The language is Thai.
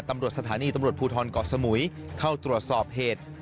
ตำรวจสถานีตำรวจภูทรเกาะสมุยเข้าตรวจสอบเหตุ